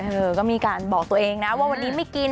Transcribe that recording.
เออก็มีการบอกตัวเองนะว่าวันนี้ไม่กิน